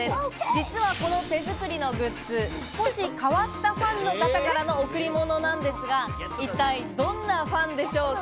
実はこの手作りのグッズ、少し変わったファンの方からの贈り物なんですが、一体どんなファンでしょうか？